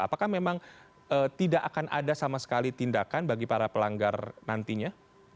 apakah memang tidak akan ada sama sekali tindakan bagi para pelanggar nantinya